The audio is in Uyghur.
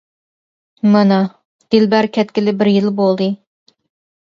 مانا، دىلبەر كەتكىلى بىر يىل بولدى.